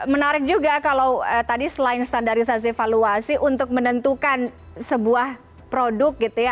menarik juga kalau tadi selain standarisasi valuasi untuk menentukan sebuah produk gitu ya